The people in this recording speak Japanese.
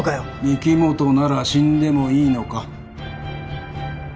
御木本なら死んでもいいのか？